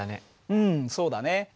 うんそうだね。